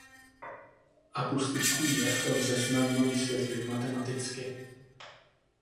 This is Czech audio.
Akustický jev lze snadno vysvětlit matematicky.